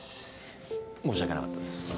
申し訳なかったです。